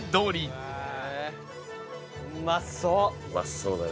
うまそうだね。